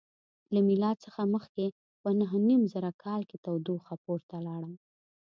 له میلاد څخه مخکې په نهه نیم زره کال کې تودوخه پورته لاړه.